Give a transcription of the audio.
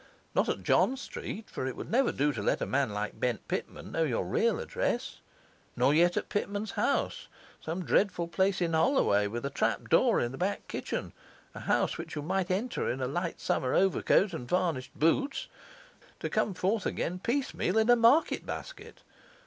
Not at John Street, for it would never do to let a man like Bent Pitman know your real address; nor yet at Pitman's house, some dreadful place in Holloway, with a trapdoor in the back kitchen; a house which you might enter in a light summer overcoat and varnished boots, to come forth again piecemeal in a market basket.